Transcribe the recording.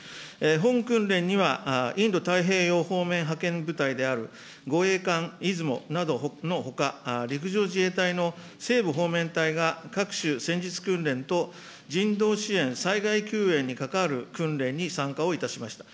本訓練には、インド太平洋方面派遣部隊である護衛艦いずもなどのほか、陸上自衛隊の西部方面隊が各種戦術訓練と人道支援、災害救援に関わる訓練に参加をいたしました。